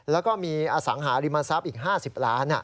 แล้วก็มีอสังหาริมทรัพย์อีก๕๐ล้าน